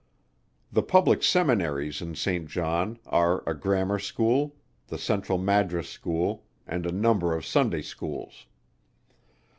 The Public Seminaries in St. John, are a Grammar School, the Central Madras School, and a number of Sunday Schools.